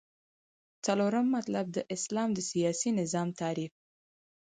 څلورم مطلب : د اسلام د سیاسی نظام تعریف